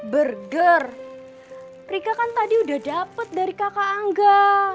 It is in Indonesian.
burger rika kan tadi udah dapet dari kakak angga